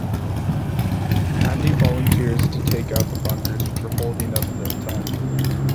Pandey volunteers to take out the bunkers which are holding up the attack.